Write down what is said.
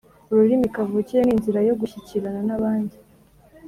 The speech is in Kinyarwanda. Ururimi kavukire ni inzira yo gushyikirana n’abandi.